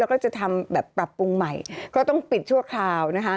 แล้วก็จะทำแบบปรับปรุงใหม่ก็ต้องปิดชั่วคราวนะคะ